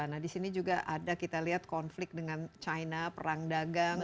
nah di sini juga ada kita lihat konflik dengan china perang dagang